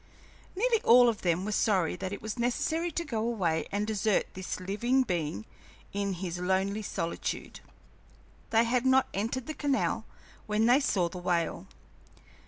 Nearly all of them were sorry that it was necessary to go away and desert this living being in his lonely solitude. They had not entered the canal when they saw the whale.